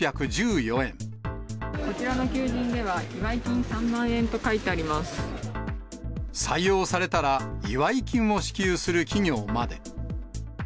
こちらの求人では、祝い金３採用されたら祝い金を支給する企業まで。